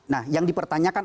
nah yang dipertanyakan